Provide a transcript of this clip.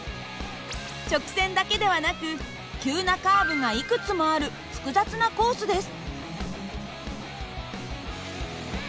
直線だけではなく急なカーブがいくつもある複雑なコースです。